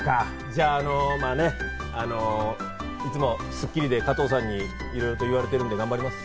じゃああのね、いつも『スッキリ』で加藤さんにいろいろ言われてるんで頑張ります。